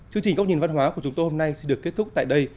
chương trình góc nhìn văn hóa của chúng tôi hôm nay xin được kết thúc tại đây